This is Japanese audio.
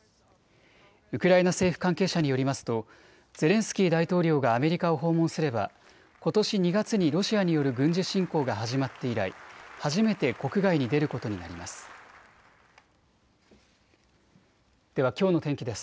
ウクライナ政府関係者によりますとゼレンスキー大統領がアメリカを訪問すればことし２月にロシアによる軍事侵攻が始まって以来、初めて国外に出ることになります。